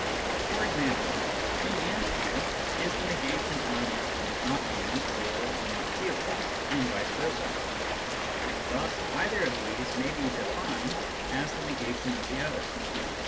For example, " p and q " is the negation of " not p or not q " and vice versa ; thus either of these may be defined as the negation of the other.